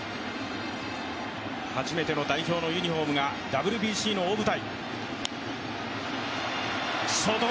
初めての代表のユニフォームがＷＢＣの大舞台。